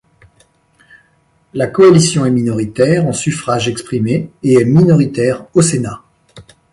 La coalition est minoritaire en suffrages exprimés et est minoritaire au Sénat.